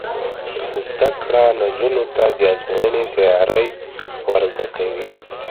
زده کړه نجونو ته د ازموینې تیاری ور زده کوي.